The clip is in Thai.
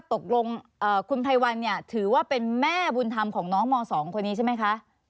ตกลงคุณภัยวันเนี่ยถือว่าเป็นแม่บุญธรรมของน้องม๒คนนี้ใช่ไหมคะ